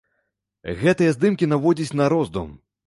Гэтыя здымкі наводзяць на роздум.